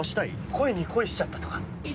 声に恋しちゃったとか？